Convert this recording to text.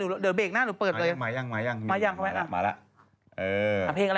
โทรศัพท์รุ่นน้องผมไม่มีรูเสียบแล้วอ่ะ